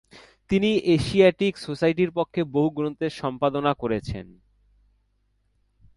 তিনি এশিয়াটিক সোসাইটির পক্ষে বহু গ্রন্থের সম্পাদনা করেছেন।